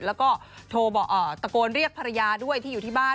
แล้วก็ตะโกนเรียกภรรยาด้วยที่อยู่ที่บ้าน